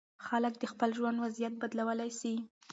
خلک د خپل ژوند وضعیت بدلولی سي.